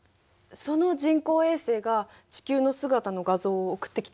その人工衛星が地球の姿の画像を送ってきたの？